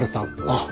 あっ。